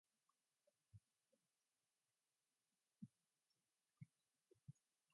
A public footpath from the village of Dockray passes the waterfall.